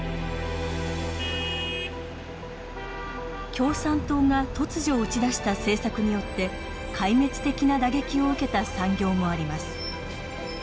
共産党が突如打ち出した政策によって壊滅的な打撃を受けた産業もあります。